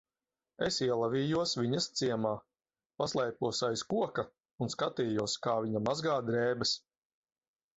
Es ielavījos viņas ciemā, paslēpos aiz koka un skatījos, kā viņa mazgā drēbes.